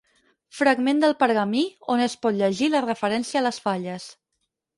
Fragment del pergamí on es pot llegir la referència a les falles.